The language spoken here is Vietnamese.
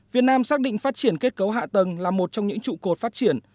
việt nam xác định phát triển kết cấu hạ tầng là một trong những trụ cột phát triển